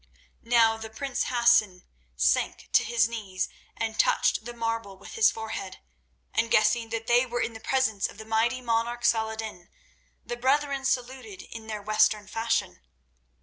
Now the prince Hassan sank to his knees and touched the marble with his forehead, and, guessing that they were in the presence of the mighty monarch Saladin, the brethren saluted in their western fashion.